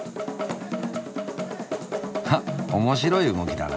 はっ面白い動きだな。